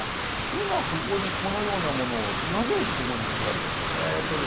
今ここにこのようなものをなぜここに建てられたんですか？